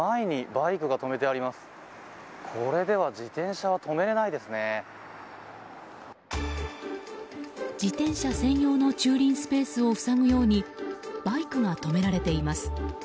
自転車専用の駐輪スペースを塞ぐようにバイクが止められています。